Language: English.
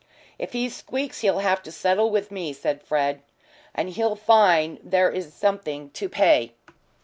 "If he squeaks he'll have to settle with me," said Fred. "And he'll find there is something to pay.